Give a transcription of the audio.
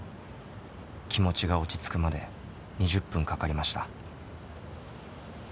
気持ちが落ち着くまで２０分かかりました。